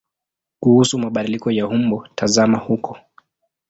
Kuhusu mabadiliko ya umbo tazama huko.